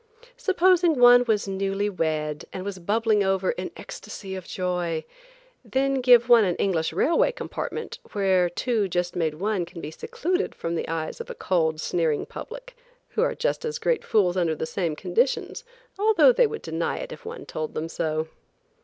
Supposing one was newly wed and was bubbling over in ecstacy of joy, then give one an English railway compartment, where two just made one can be secluded from the eyes of a cold, sneering public, who are just as great fools under the same conditions, although they would deny it if one told them so.